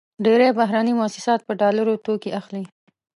ډېری بهرني موسسات په ډالرو توکې اخلي.